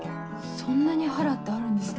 そんなに「ハラ」ってあるんですね。